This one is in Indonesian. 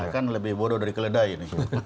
kan lebih bodoh dari keledai ini